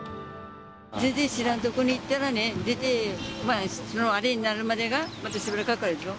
全然知らん所に行ったらね、そのあれになるまでが、またしばらくかかるでしょ。